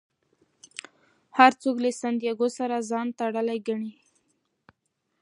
هر څوک له سانتیاګو سره ځان تړلی ګڼي.